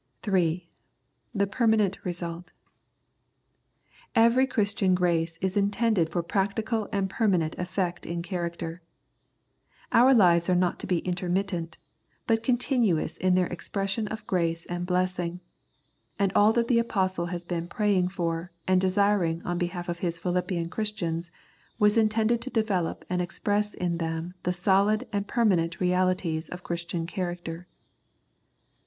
3. The Permanent Result. Every Christian grace is intended for practical and permanent effect in character. Our lives are not to be intermittent, but continuous in their expression of grace and blessing, and all that the Apostle has been praying for and desiring on behalf of his Philippian Christians was intended to de velop and express in them the solid and per manent realities of Christian character.